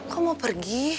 kok mau pergi